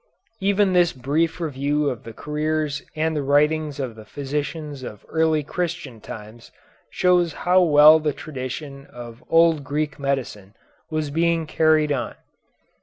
Even this brief review of the careers and the writings of the physicians of early Christian times shows how well the tradition of old Greek medicine was being carried on.